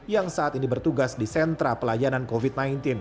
yang saat ini bertugas di sentra pelayanan covid sembilan belas